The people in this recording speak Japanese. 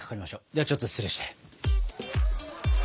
ではちょっと失礼して。